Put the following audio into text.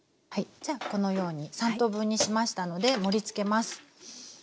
じゃあこのように３等分にしましたので盛りつけます。